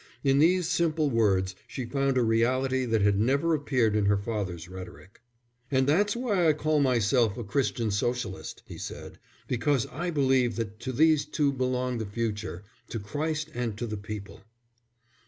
In these simple words she found a reality that had never appeared in her father's rhetoric. "And that's why I call myself a Christian Socialist," he said, "because I believe that to these two belong the future to Christ and to the people."